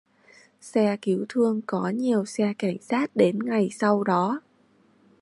Xe cứu thương có nhiều xe cảnh sát đến ngày sau đó